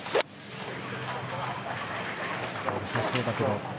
よさそうだけど。